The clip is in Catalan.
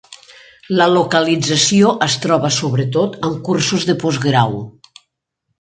La localització es trobà sobretot en cursos de postgrau.